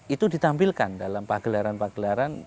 itu ditampilkan dalam pagelaran pagelaran